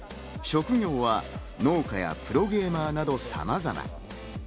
職業は農家やプロゲーマーなどさまざま。